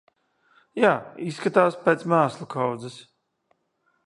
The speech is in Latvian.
Jā, izskatās pēc mēslu kaudzes.